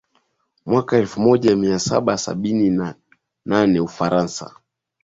mwaka elfumoja miasaba sabini na nane Ufaransa